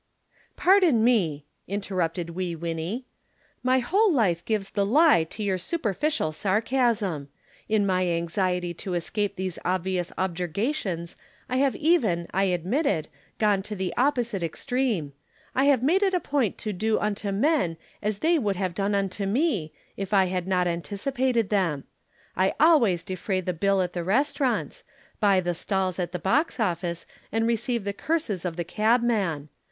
"Pardon me," interrupted Wee Winnie. "My whole life gives the lie to your superficial sarcasm. In my anxiety to escape these obvious objurgations I have even, I admit it, gone to the opposite extreme. I have made it a point to do unto men as they would have done unto me, if I had not anticipated them. I always defray the bill at the restaurants, buy the stalls at the box office and receive the curses of the cabman.